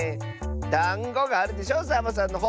「だんご」があるでしょサボさんのほう！